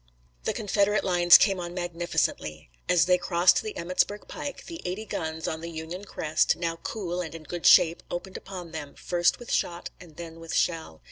The Confederate lines came on magnificently. As they crossed the Emmetsburg Pike the eighty guns on the Union crest, now cool and in good shape, opened upon them, first with shot and then with shell.